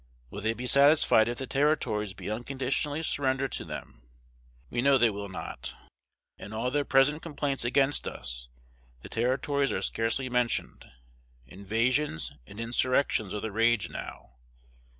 Will they be satisfied if the Territories be unconditionally surrendered to them? We know they will not. In all their present complaints against us, the Territories are scarcely mentioned. Invasions and insurrections are the rage now.